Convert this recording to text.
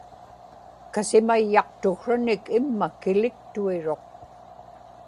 kasimayyaqtuksranik imma kiliktuiruq